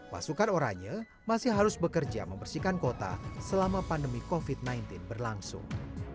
pasukan oranye masih harus bekerja membersihkan kota selama pandemi covid sembilan belas berlangsung